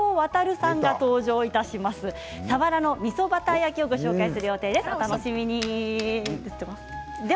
さわらのみそバター焼きをご紹介する予定です。